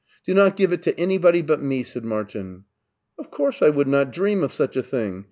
Do not give it to anybody but me," said Martin. Of course I would not dream of such a thing !